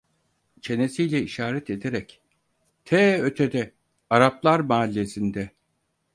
Çenesiyle işaret ederek: "Tee ötede, Araplar Mahallesi'nde!"